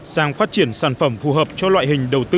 sang phát triển sản phẩm phù hợp cho loại hình đầu tư